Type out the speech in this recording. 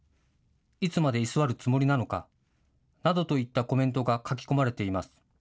いつまで居座るつもりなのかなどといったコメントが書き込まれています。